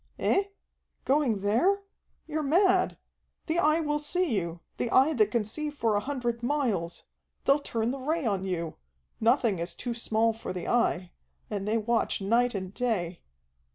"Eh? Going there? You're mad. The Eye will see you, the Eye that can see for a hundred miles. They'll turn the Ray on you. Nothing is too small for the Eye. And they watch night and day."